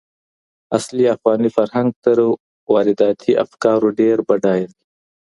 اصیل افغاني فرهنګ تر وارداتي افکارو ډېر بډایه دی.